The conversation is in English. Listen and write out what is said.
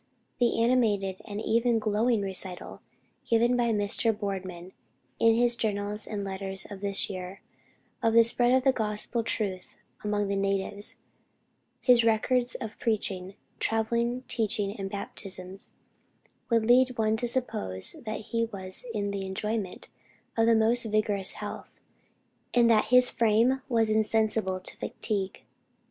The animated and even glowing recital, given by Mr. Boardman in his journals and letters of this year, of the spread of gospel truth among the natives; his records of preaching, travelling, teaching and baptisms, would lead one to suppose that he was in the enjoyment of the most vigorous health, and that his frame was insensible to fatigue.